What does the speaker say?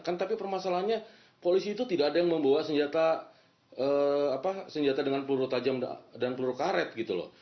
kan tapi permasalahannya polisi itu tidak ada yang membawa senjata dengan peluru tajam dan peluru karet gitu loh